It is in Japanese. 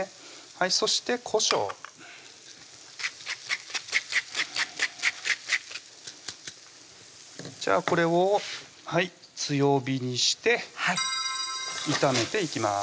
そしてこしょうじゃあこれを強火にして炒めていきます